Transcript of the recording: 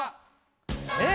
えっ？